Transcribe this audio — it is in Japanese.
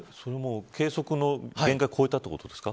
計測の限界を超えたということですか。